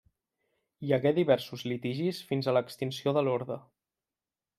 Hi hagué diversos litigis fins a l'extinció de l'orde.